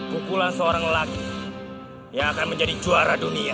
pukulan seorang laki yang akan menjadi juara dunia